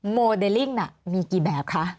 โมเดลลิ่งน่ะมีกี่แบบคะ